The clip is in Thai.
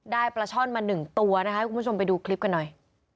ปลาช่อนมา๑ตัวนะคะให้คุณผู้ชมไปดูคลิปกันหน่อย